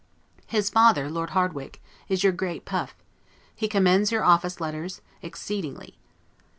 His father, Lord Hardwicke, is your great puff: he commends your office letters, exceedingly.